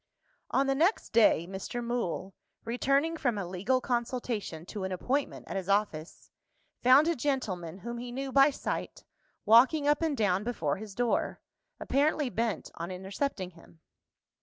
On the next day, Mr. Mool returning from a legal consultation to an appointment at his office found a gentleman, whom he knew by sight, walking up and down before his door; apparently bent on intercepting him.